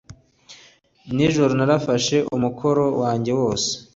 Nijoro narafashe umukoro wanjye wose.